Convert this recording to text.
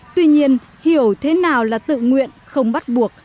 tuy nhiên hiểu thế nào là tự nguyện không bắt buộc